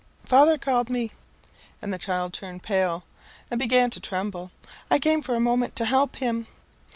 "Father called me," and the child turned pale, and began to tremble. "I came for a moment to help him."